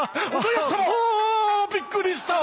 びっくりした！